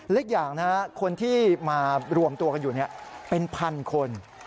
เล็กอย่างนะครับคนที่มารวมตัวกันอยู่นี่เป็นพันคน